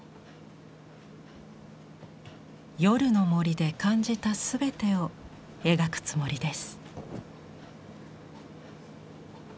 夜の森で感じた全てを描くつもりです。